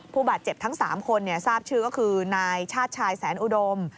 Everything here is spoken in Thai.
ผู้บาดเจ็บทั้ง๓คนทราบชื่อก็คือนายชาติชายแสนอุดม